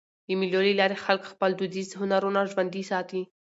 د مېلو له لاري خلک خپل دودیز هنرونه ژوندي ساتي.